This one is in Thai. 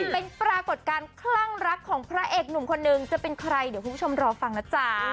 เป็นปรากฏการณคลั่งรักของพระเอกหนุ่มคนนึงจะเป็นใครเดี๋ยวคุณผู้ชมรอฟังนะจ๊ะ